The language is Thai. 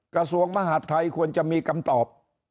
กระทรวงมหาดไทยควรจะมีคำตอบ